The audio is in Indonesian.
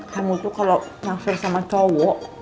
kamu tuh kalau ngangser sama cowok